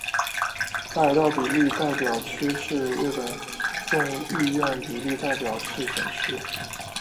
北海道比例代表区是日本众议院比例代表制选区。